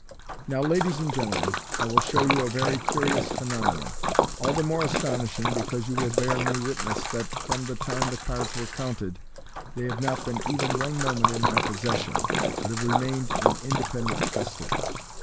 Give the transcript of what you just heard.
" Now, ladies and gentlemen, I will show you a very curious phenomenon, all the more astonishing because you will bear me wit ness that, from the time the cards were counted, they have not been even one moment in my possession, but have remained in independent custody.